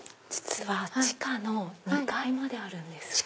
実は地下２階まであるんです。